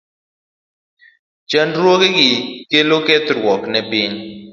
Chandruogegi kelo kethruok ne piny.